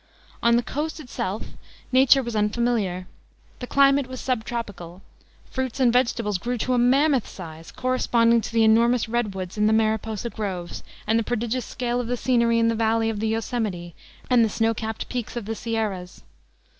On the coast itself nature was unfamiliar: the climate was sub tropical; fruits and vegetables grew to a mammoth size, corresponding to the enormous redwoods in the Mariposa groves and the prodigious scale of the scenery in the valley of the Yo Semite and the snow capped peaks of the Sierras.